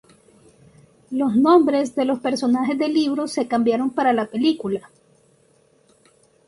Los nombres de los personajes del libro se cambiaron para la película.